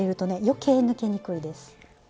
余計抜けにくいです。